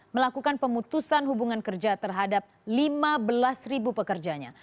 melakukan pemutusan hubungan kerja terhadap lima belas ribu pekerjanya